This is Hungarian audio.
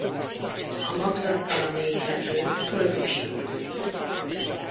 A magzattal a méhlepényt köldökzsinór köti össze.